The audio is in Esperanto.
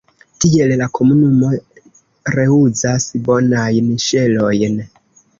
Tiel, la komunumo reuzas bonajn ŝelojn.